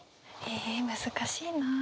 え難しいな。